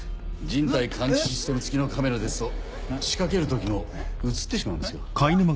人体感知システム付きのカメラですと仕掛ける時も映ってしまうんですよ。